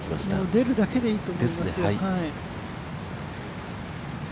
出るだけでいいと思いますよ。